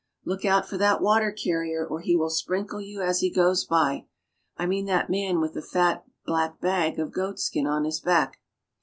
Look out for that water carrier or he will sprinkle you as he goes by. I mean that man with the fat, black bag of goatskin on his back.